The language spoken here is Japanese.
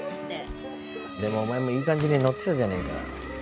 でもお前もいい感じにノッてたじゃねえか。